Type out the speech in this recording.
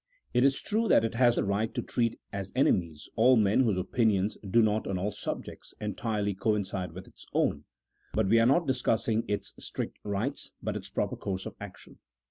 It is true that it has the right to treat as enemies all merj whose opinions do not, on all sub jects, entirely coincide with its own ; but we are not dis cussing its strict rights, but its proper course of action.